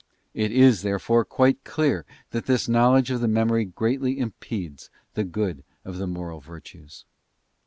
It is, therefore, quite clear that this knowledge of the memory greatly impedes the good of the moral virtues.